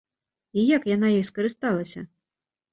І як яна ёй скарысталася?